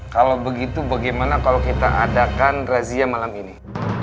kalau begitu bagaimana kalau kita adakan razia malam ini